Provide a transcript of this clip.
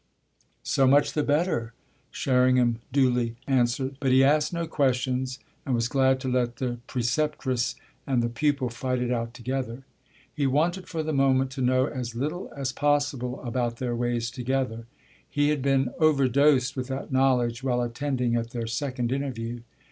"So much the better," Sherringham duly answered; but he asked no questions and was glad to let the preceptress and the pupil fight it out together. He wanted for the moment to know as little as possible about their ways together: he had been over dosed with that knowledge while attending at their second interview.